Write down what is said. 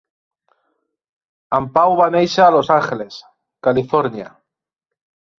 En Pau va néixer a Los Angeles, Califòrnia.